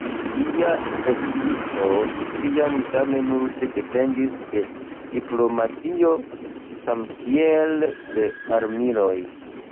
Ĝia ekzisto ĉiam same multe dependis de diplomatio samkiel de armiloj.